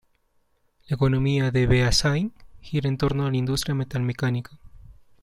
La economía de Beasáin gira en torno a la industria metalmecánica.